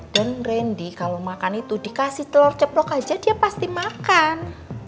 dan randy kalau makan itu dikasih telur ceplok aja dia pasti makan